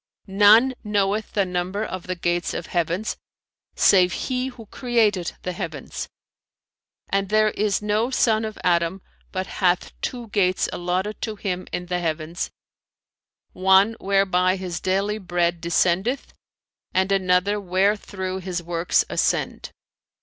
'None knoweth the number of the gates of heavens, save He who created the heavens, and there is no son of Adam but hath two gates allotted to him in the heavens, one whereby his daily bread descendeth and another wherethrough his works ascend.